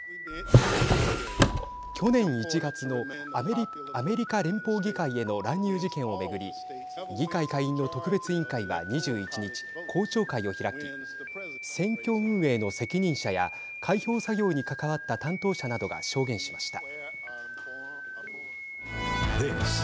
去年１月のアメリカ連邦議会への乱入事件を巡り議会下院の特別委員会は、２１日公聴会を開き選挙運営の責任者や開票作業に関わった担当者などが証言しました。